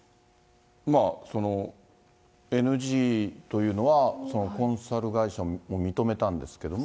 ＮＧというのは、コンサル会社も認めたんですけれども。